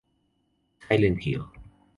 Silent Hill